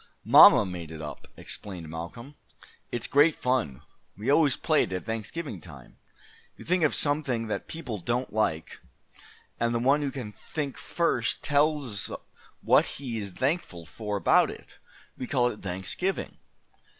"Mamma made it up," explained Malcolm. "It's great fun. We always play it at Thanksgiving time. You think of something that people don't like, and the one who can think first tells what he is thankful for about it. We call it 'Thanksgiving.'"